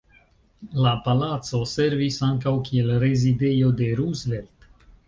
La palaco servis ankaŭ kiel rezidejo de Roosevelt.